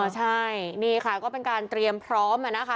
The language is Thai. ใช่นี่ค่ะก็เป็นการเตรียมพร้อมนะคะ